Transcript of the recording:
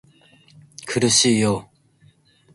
苦しいよ